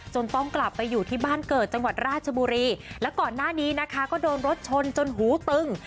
ต้องกลับไปอยู่ที่บ้านเกิดจังหวัดราชบุรีแล้วก่อนหน้านี้นะคะก็โดนรถชนจนหูตึง